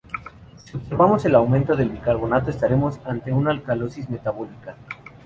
Si observamos un aumento del bicarbonato estaremos ante una alcalosis metabólica.